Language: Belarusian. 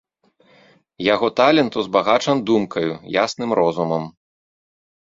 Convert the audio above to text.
Яго талент узбагачан думкаю, ясным розумам.